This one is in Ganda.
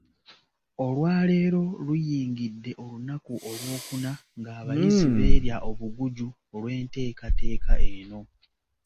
Olwaleero, luyingidde olunaku Olwokuna ng'abayizi beerya obuguju olw'enteekateeka eno.